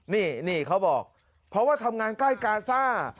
นี่เขาบอกเพราะว่าทำงานใกล้กาซ่า